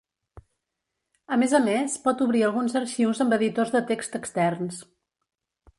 A més a més, pot obrir alguns arxius amb editors de text externs.